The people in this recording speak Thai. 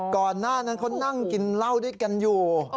ก่อนหน้านั้นเขานั่งกินเหล้าด้วยกันอยู่